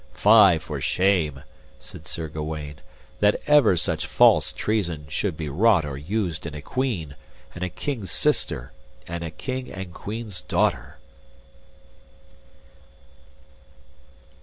Fie for shame, said Sir Gawaine, that ever such false treason should be wrought or used in a queen, and a king's sister, and a king and queen's daughter.